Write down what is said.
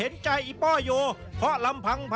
สุดท้ายของพ่อต้องรักมากกว่านี้ครับ